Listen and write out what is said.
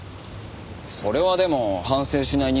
それはでも反省しない人間もいる。